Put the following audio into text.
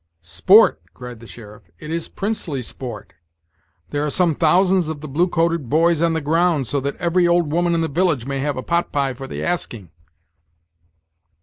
"Sport!" cried the sheriff; "it is princely sport! There are some thousands of the blue coated boys on the ground, so that every old woman in the village may have a pot pie for the asking."